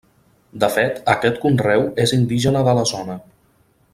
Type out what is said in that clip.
De fet aquest conreu és indígena de la zona.